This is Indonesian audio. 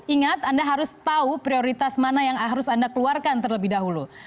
ingat anda harus tahu prioritas mana yang harus anda keluarkan terlebih dahulu